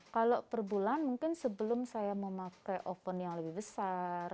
kalau per bulan mungkin sebelum saya memakai oven yang lebih besar